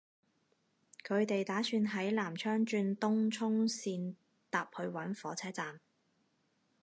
佢哋打算喺南昌轉東涌綫搭去搵火車站